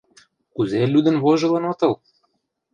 Кузе лӱдын-вожылын отыл?